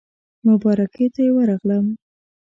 مبارکۍ ته یې ورغلم.